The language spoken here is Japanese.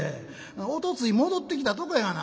おとつい戻ってきたとこやがな。